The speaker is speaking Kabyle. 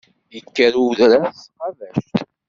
Ikker i udrar s tqabact.